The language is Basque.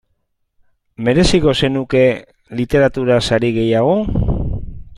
Mereziko zenuke literatura sari gehiago?